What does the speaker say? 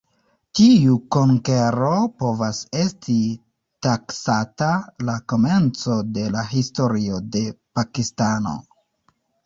Tiu konkero povas esti taksata la komenco de la historio de Pakistano.